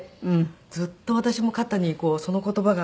ずっと私も肩にその言葉が。